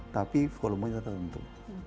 tapi volume nya tetap tentu